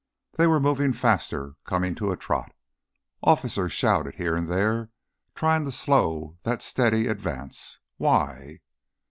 They were moving faster, coming to a trot. Officers shouted here and there, trying to slow that steady advance why?